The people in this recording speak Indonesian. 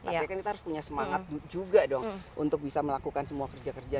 tapi kan kita harus punya semangat juga dong untuk bisa melakukan semua kerja kerja